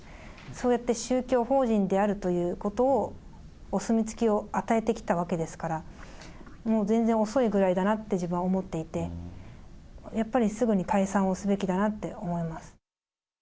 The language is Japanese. そうやって宗教法人であるということを、お墨付きを与えてきたわけですから、もう全然、遅いぐらいだなって自分は思っていて、やっぱりすぐに解散をすべきだなって思います。